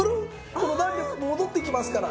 この弾力戻ってきますから。